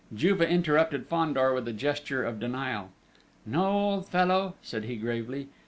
Juve interrupted Fandor with a gesture of denial. "No, old fellow," said he gravely.